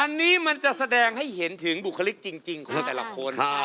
อันนี้มันจะแสดงให้เห็นถึงบุคลิกจริงของแต่ละคน